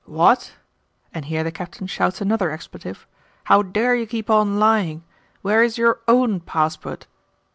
'What?' and here the Captain shouts another expletive 'How dare you keep on lying? Where is YOUR OWN passport?